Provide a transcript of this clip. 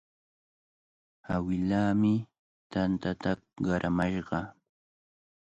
Awilaami tantata qaramashqa.